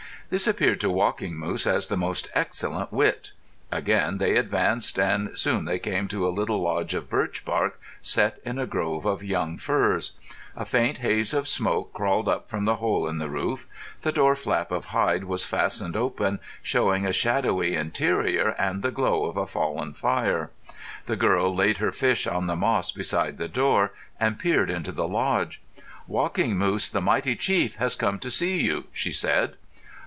This appeared to Walking Moose as the most excellent wit. Again they advanced, and soon they came to a little lodge of birchbark set in a grove of young firs. A faint haze of smoke crawled up from the hole in the roof. The door flap of hide was fastened open, showing a shadowy interior and the glow of a fallen fire. The girl laid her fish on the moss beside the door, and peered into the lodge. "Walking Moose, the mighty chief, has come to see you," she said.